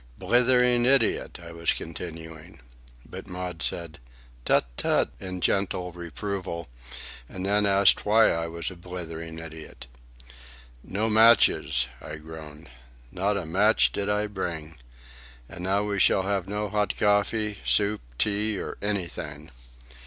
"Blithering idiot!" I was continuing. But Maud said, "Tut, tut," in gentle reproval, and then asked why I was a blithering idiot. "No matches," I groaned. "Not a match did I bring. And now we shall have no hot coffee, soup, tea, or anything!"